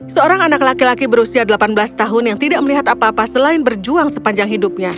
seorang anak laki laki berusia delapan belas tahun yang tidak melihat apa apa selain berjuang sepanjang hidupnya